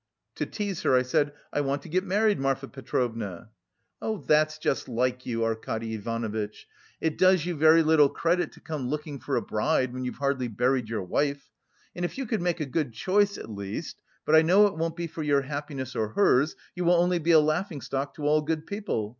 To tease her I said, 'I want to get married, Marfa Petrovna.' 'That's just like you, Arkady Ivanovitch; it does you very little credit to come looking for a bride when you've hardly buried your wife. And if you could make a good choice, at least, but I know it won't be for your happiness or hers, you will only be a laughing stock to all good people.